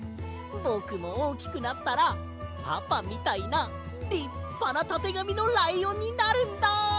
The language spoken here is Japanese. ぼくもおおきくなったらパパみたいなりっぱなたてがみのライオンになるんだ！